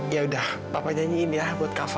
yaudah papa nyanyiin ya buat kava